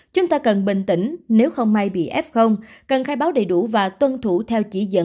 chúng ta cần bình tĩnh nếu không may bị f cần khai báo đầy đủ và tuân thủ theo chỉ dẫn